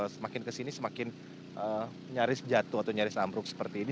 semakin kesini semakin nyaris jatuh atau nyaris ambruk seperti ini